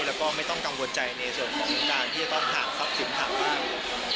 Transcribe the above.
แล้วก็ไม่ต้องกังวลใจในส่วนของการที่จะต้องหาทรัพย์สินหักบ้าง